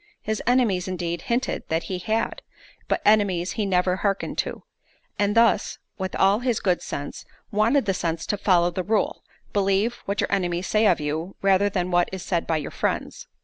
his enemies, indeed, hinted that he had, but enemies he never harkened to; and thus, with all his good sense, wanted the sense to follow the rule, Believe what your enemies say of you, rather than what is said by your friends.